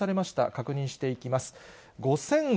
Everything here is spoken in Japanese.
確認していきます。